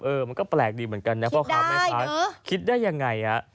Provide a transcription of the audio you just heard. เออมันก็แปลกดีเหมือนกันนะพ่อความแม่ค้าคิดได้ยังไงณคิดได้เนอะ